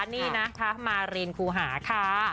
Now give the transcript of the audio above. นี่นะคะมารินครูหาค่ะ